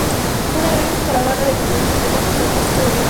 Una gran caravana de colonos intenta cruzar la senda de Oregón.